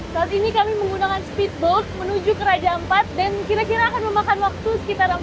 saat ini kami menggunakan speedboat menuju ke raja ampat dan kira kira akan memakan waktu sekitar empat jam